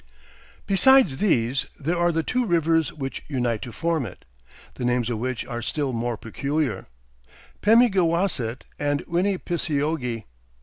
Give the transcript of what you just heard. Besides these there are the two rivers which unite to form it, the names of which are still more peculiar: Pemigewasset and Winnepiseogee.